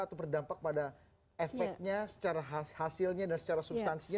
atau berdampak pada efeknya secara hasilnya dan secara substansinya